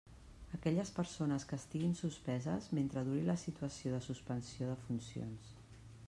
Aquelles persones que estiguin suspeses, mentre duri la situació de suspensió de funcions.